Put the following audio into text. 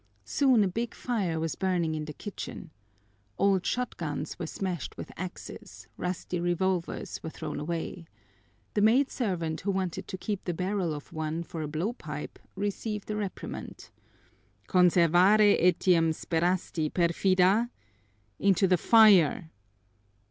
Soon a big fire was burning in the kitchen. Old shotguns were smashed with axes, rusty revolvers were thrown away. The maidservant who wanted to keep the barrel of one for a blowpipe received a reprimand: "Conservare etiam sperasti, perfida? Into the fire!"